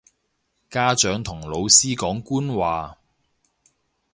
家長同老師講官話